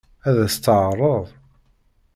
Ad as-t-teɛṛeḍ?